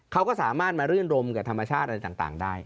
เขาก็สามารถมารื่นรมกับธรรมชาติอะไรต่างได้